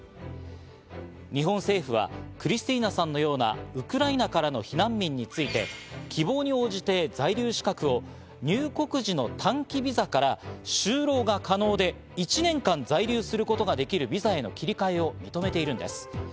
日本政府はクリスティーナさんのようなウクライナからの避難民について希望に応じて在留資格を入国時の短期ビザから就労が可能で、１年間在留することができるビザへの切り替えを認めているんです。